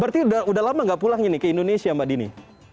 berarti udah lama gak pulang ke indonesia mbak dini